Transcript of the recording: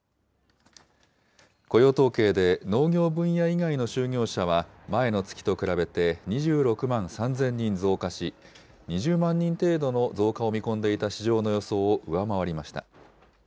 雇用統計で農業分野以外の就業者は、前の月と比べて２６万３０００人増加し、２０万人程度の増加を見込んでいた市場の予想を上回りました。